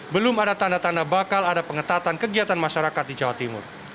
belum ada tanda tanda bakal ada pengetatan kegiatan masyarakat di jawa timur